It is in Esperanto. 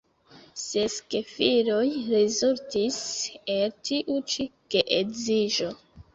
Ses gefiloj rezultis el tiu ĉi geedziĝo.